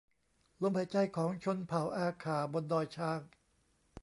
ลมหายใจของชนเผ่าอาข่าบนดอยช้าง